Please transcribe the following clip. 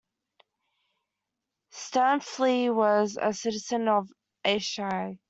Stampfli was a citizen of Aeschi.